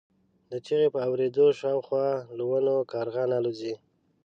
د چیغې په اورېدو شاوخوا له ونو کارغان الوځي.